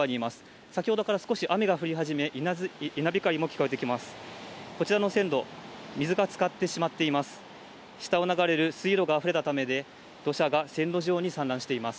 こちらの線路、水がつかってしまっています。